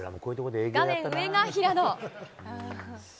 画面上が平野。